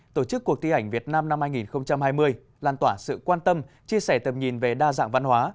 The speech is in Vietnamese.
tổ chức cuộc thi ảnh việt nam năm hai nghìn hai mươi lan tỏa sự quan tâm chia sẻ tầm nhìn về đa dạng văn hóa